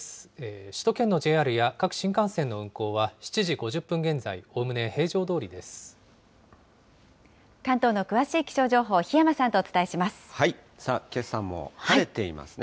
首都圏のＪＲや各新幹線の運行は７時５０分現在、関東の詳しい気象情報、檜山けさも晴れていますね。